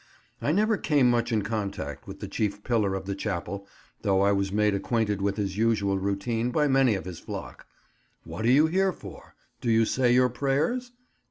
I never came much in contact with the chief pillar of the chapel, though I was made acquainted with his usual routine by many of his flock:—"What are you here for? Do you say your prayers?"